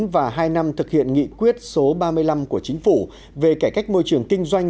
và hai năm thực hiện nghị quyết số ba mươi năm của chính phủ về cải cách môi trường kinh doanh